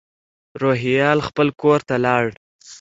روهیال خپل کور ته لاړ.